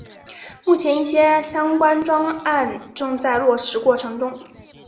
目前一些相关专案正在落实过程中。